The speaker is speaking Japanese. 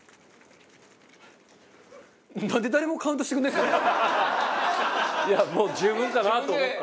なんでいやもう十分かなと思った。